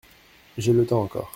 J’ai le temps encore.